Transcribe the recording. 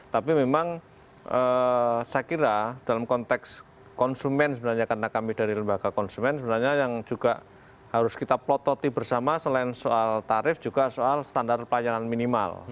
tapi memang saya kira dalam konteks konsumen sebenarnya karena kami dari lembaga konsumen sebenarnya yang juga harus kita plototi bersama selain soal tarif juga soal standar pelayanan minimal